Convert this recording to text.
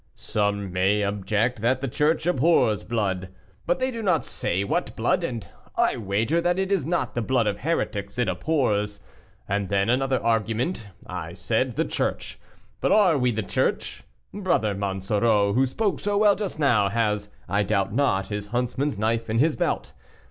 "Some may object that the church abhors blood. But they do not say what blood, and I wager that it is not the blood of heretics it abhors. And then another argument; I said, 'the church;' but are we the church? Brother Monsoreau, who spoke so well just now, has, I doubt not, his huntsman's knife in his belt.